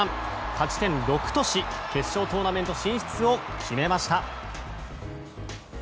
勝ち点６とし決勝トーナメント進出を決めました。